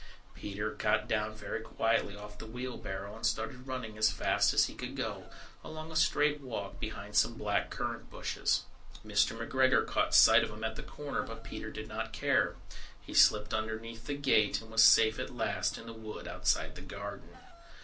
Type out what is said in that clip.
Peter got down very quietly off the wheelbarrow, and started running as fast as he could go, along a straight walk behind some black currant bushes. Mr. McGregor caught sight of him at the corner, but Peter did not care. He slipped underneath the gate, and was safe at last in the wood outside the garden.